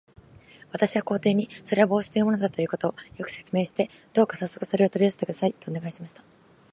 私は皇帝に、それは帽子というものだということを、よく説明して、どうかさっそくそれを取り寄せてください、とお願いしました。